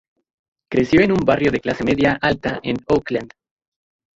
Creció en un barrio de clase media alta en Oakland.